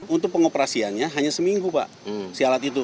untuk pengoperasiannya hanya seminggu pak si alat itu